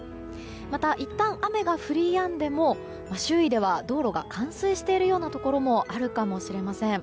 また、いったん雨が降りやんでも周囲では道路が冠水しているようなところがあるかもしれません。